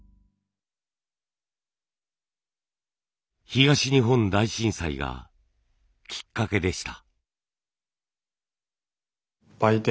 東日本大震災がきっかけでした。